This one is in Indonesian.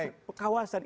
soal geostrategi kawasan